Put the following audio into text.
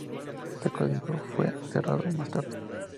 Este colegio fue cerrado más tarde.